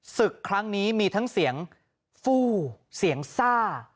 ศึกครั้งนี้มีทั้งเสียงฟู่เสียงซ่า